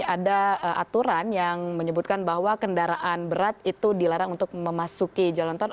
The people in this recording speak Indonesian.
ada aturan yang menyebutkan bahwa kendaraan berat itu dilarang untuk memasuki jalan tol